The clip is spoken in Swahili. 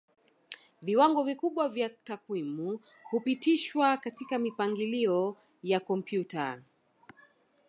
Viwango vikubwa vya takwimu hupitishwa katika mipangilio ya kompyuta